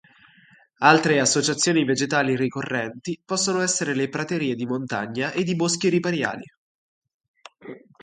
Altre associazioni vegetali ricorrenti possono essere le praterie di montagna ed i boschi ripariali.